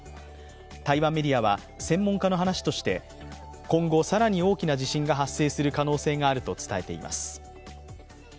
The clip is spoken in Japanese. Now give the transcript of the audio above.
台湾メディアは専門家の話として今後、更に大きな地震が発生する可能性があると伝えています。